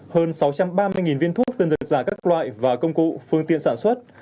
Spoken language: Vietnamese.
hơn sáu trăm ba mươi viên thuốc tân dược giả các loại và công cụ phương tiện sản xuất